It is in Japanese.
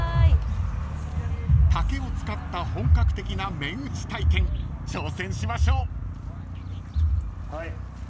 ［竹を使った本格的な麺打ち体験挑戦しましょう］